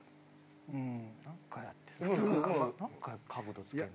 なんかやってる。